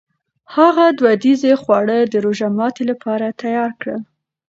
هغې دودیز خواړه د روژهماتي لپاره تیار کړل.